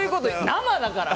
生だから！